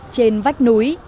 trên vách núi